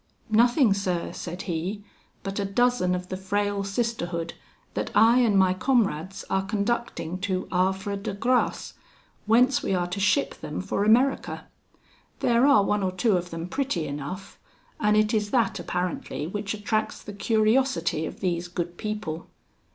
"Nothing, sir," said he, "but a dozen of the frail sisterhood, that I and my comrades are conducting to Havre de Grace, whence we are to ship them for America. There are one or two of them pretty enough; and it is that, apparently, which attracts the curiosity of these good people."